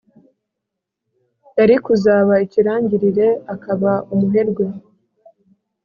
Yari kuzaba ikirangirire akaba umuherwe